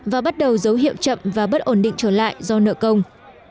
và bắt đầu dấu hiệu chậm và bất ổn định trở lại do nợ công